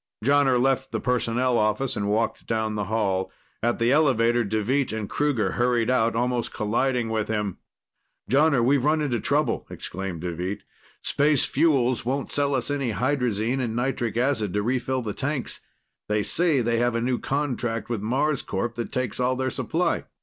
Jonner left the personnel office and walked down the hall. At the elevator, Deveet and Kruger hurried out, almost colliding with him. "Jonner, we've run into trouble!" exclaimed Deveet. "Space Fuels won't sell us any hydrazine and nitric acid to refill the tanks. They say they have a new contract with Marscorp that takes all their supply."